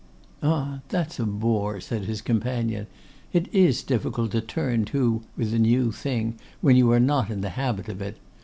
'Ah! that's a bore,' said his companion. 'It is difficult to turn to with a new thing when you are not in the habit of it.